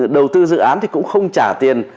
đầu tư dự án thì cũng không trả tiền